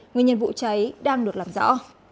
nguyên nhân vụ cháy đang được làm rõ